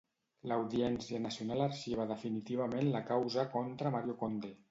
L'Audiència Nacional arxiva definitivament la causa contra Mario Conde.